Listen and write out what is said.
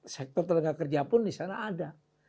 sektor tenaga kerja pun di sana ada